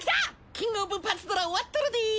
キング・オブ・パズドラ終わっとるで。